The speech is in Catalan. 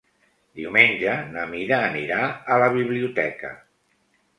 Diumenge na Mira anirà a la biblioteca.